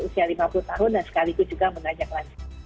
usia lima puluh tahun dan sekaligus juga mengajak lansia